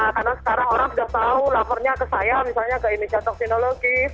karena sekarang orang sudah tahu lapornya ke saya misalnya ke indonesia toxinology